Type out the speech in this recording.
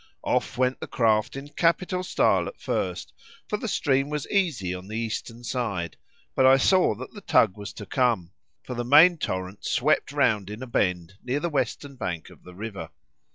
Off went the craft in capital style at first, for the stream was easy on the eastern side; but I saw that the tug was to come, for the main torrent swept round in a bend near the western bank of the river.